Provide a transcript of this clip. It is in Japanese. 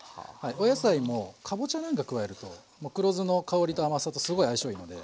お野菜もかぼちゃなんか加えると黒酢の香りと甘さとすごい相性いいので。